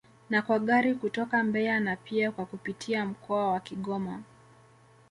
Na kwa Gari kutoka Mbeya na pia kwa kupitia mkoa wa Kigoma